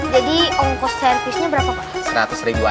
jadi ongkos servisnya berapa pak